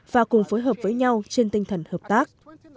và cùng phối hợp với nhau trên tinh thần hợp tác